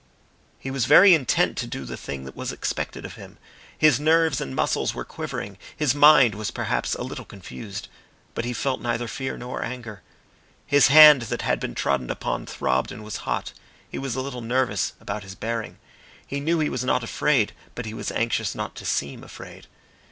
He was very intent to do the thing that was expected of him. His nerves and muscles were quivering, his mind was perhaps a little confused, but he felt neither fear nor anger. His hand that had been trodden upon throbbed and was hot. He was a little nervous about his bearing. He knew he was not afraid, but he was anxious not to seem afraid.